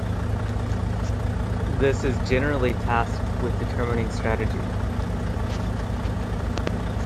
This is generally tasked with determining strategy.